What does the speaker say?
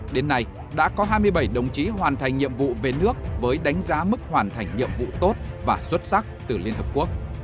đến nay đã có hai mươi bảy đồng chí hoàn thành nhiệm vụ về nước với đánh giá mức hoàn thành nhiệm vụ tốt và xuất sắc từ liên hợp quốc